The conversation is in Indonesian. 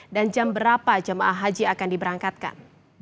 dan jam berapa jemaah haji akan diberangkatkan